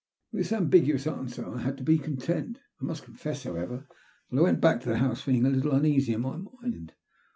With this ambiguous answer I had to be content I must confess, however, that I went back to the house feeling a little uneasy in my mind.